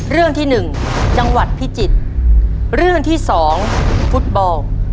เรื่องที่หนึ่งจังหวัดพิจิตรเรื่องที่สองฟุตบอล